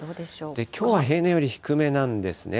きょうは平年より低めなんですね。